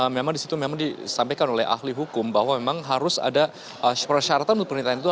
memang di situ memang disampaikan oleh ahli hukum bahwa memang harus ada persyaratan untuk permintaan itu